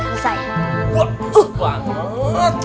wah bagus banget